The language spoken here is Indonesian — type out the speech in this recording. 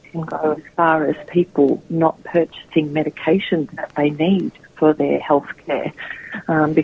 kami juga tahu bahwa itu bisa berjalan sejauh orang orang yang tidak membeli medikasi yang mereka butuhkan untuk kesehatan mereka